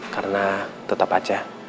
karena tetap aja